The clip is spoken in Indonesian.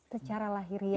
secara lahiriah ya